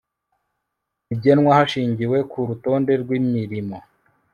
bigenwa hashingiwe ku rutonde rw'imirimo